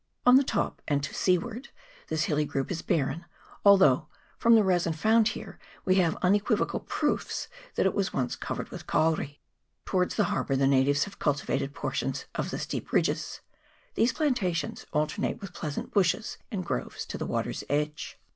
On the top, and to seaward, this hilly group is barren, although, from the resin found here, we have un equivocal proofs that it was once covered with kauri. Towards the harbour the natives have cul tivated portions of the steep ridges ; these planta tions alternate with pleasant bushes and groves to the water's edge.